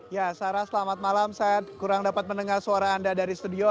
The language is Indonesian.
ya sarah selamat malam saya kurang dapat mendengar suara anda dari studio